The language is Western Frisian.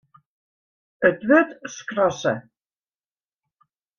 It wurd skrasse.